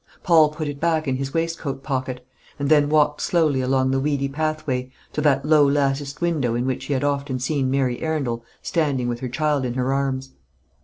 Paul put it back in his waistcoat pocket, and then walked slowly along the weedy pathway to that low latticed window in which he had often seen Mary Arundel standing with her child in her arms.